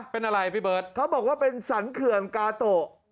เป็นอะไรพี่เบิร์ตเขาบอกว่าเป็นสรรเขื่อนกาโตะ